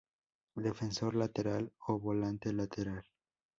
Defensor lateral o volante lateral.